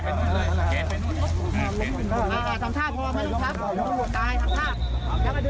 เราดูกล้องดีกล้องดูกล้องดีดูกล้องเอาเออแล้วก็เอากระเป๋า